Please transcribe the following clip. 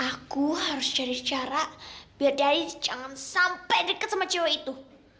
aku harus cari cara biar dari jangan sampai dekat sama cewek itu